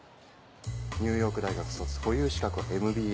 ニューヨーク大学卒保有資格はＭＢＡ。